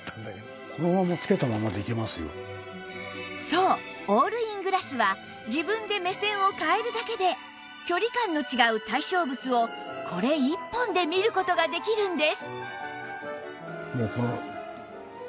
そうオールイングラスは自分で目線を変えるだけで距離感の違う対象物をこれ１本で見る事ができるんです